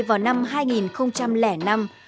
vào năm hai nghìn năm